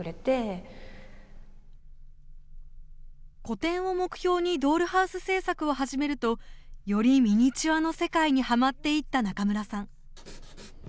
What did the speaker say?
個展を目標にドールハウス制作を始めるとよりミニチュアの世界にはまっていった中村さん。